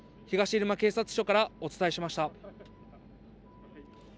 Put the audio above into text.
東入間警察署からお伝えしました。